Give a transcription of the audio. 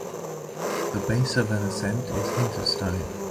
The base of an ascent is Hinterstein.